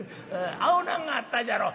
青菜があったじゃろ。